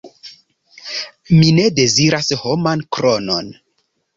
Mi ne deziras homan kronon.